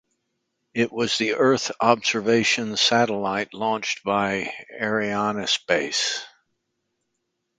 It was the Earth observation satellite launched by Arianespace.